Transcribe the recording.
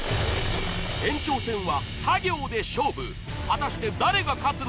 ［延長戦はた行で勝負果たして誰が勝つのか？］